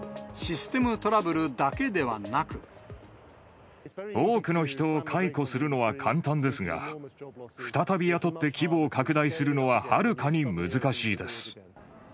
その原因は、多くの人を解雇するのは簡単ですが、再び雇って規模を拡大するのははるかに難しいです。